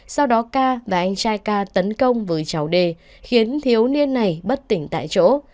sau đó k và anh trai k tấn công với cháu d khiến thiếu niên này bất tỉnh tại chỗ